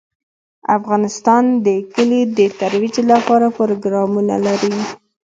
افغانستان د کلي د ترویج لپاره پروګرامونه لري.